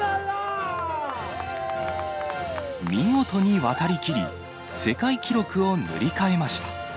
見事に渡り切り、世界記録を塗り替えました。